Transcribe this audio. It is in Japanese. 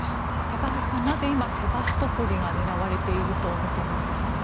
高橋さん、なぜ今セバストポリが狙われているとみていますか？